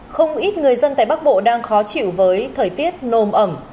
không ít người dân tại bắc bộ đang khó chịu với thời tiết nồm ẩm